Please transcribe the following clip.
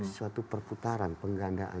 suatu perputaran penggandaan